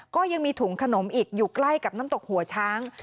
ก็ยังมีถุงขนมอีกอยู่ใกล้กับน้ำตกหัวช้าง